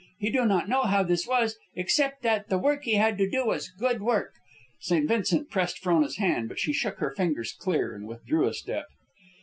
He do not know how this was, except that the work he had to do was good work." St. Vincent pressed Frona's hand, but she shook her fingers clear and withdrew a step.